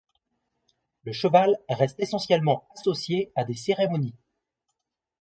Le cheval reste essentiellement associé à des cérémonies.